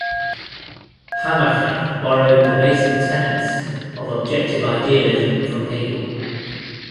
Hammacher borrowed the basic tenets of objective idealism from Hegel.